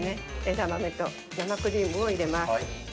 枝豆と生クリームを入れます。